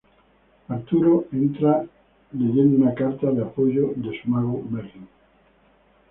Arturo entra leyendo una carta de apoyo de su mago Merlín.